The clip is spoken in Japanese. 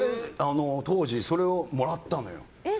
当時それをもらったのよ。